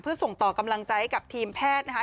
เพื่อส่งต่อกำลังใจให้กับทีมแพทย์นะคะ